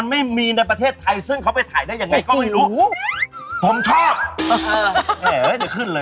เดี๋ยวขึ้นเลยเรากลับไปไตเมียเลย